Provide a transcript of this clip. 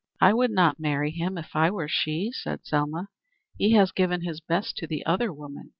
"I would not marry him if I were she," said Selma. "He has given his best to the other woman.